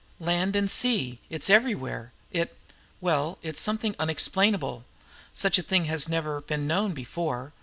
Land and sea it's everywhere. It well, it's something unexplainable. Such a thing has never been known before.